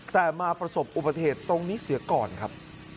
แต่มาประสบอุปเทศตรงนี้เสียก่อนครับ